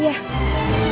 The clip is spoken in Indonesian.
sampai jumpa lagi